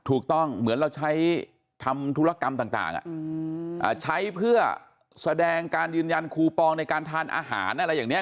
เหมือนเราใช้ทำธุรกรรมต่างใช้เพื่อแสดงการยืนยันคูปองในการทานอาหารอะไรอย่างนี้